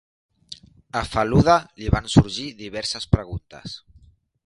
A Feluda li van sorgir diverses preguntes.